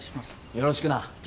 よろしくな。